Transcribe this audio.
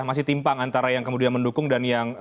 masih timpang antara yang kemudian mendukung dan yang